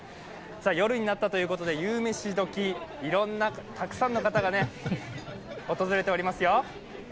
夜になったということで、夕飯時、たくさんの方が訪れておりますよ。